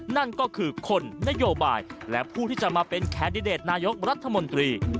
นั่นก็คือคนนโยบายและผู้ที่จะมาเป็นแคนดิเดตนายกรัฐมนตรี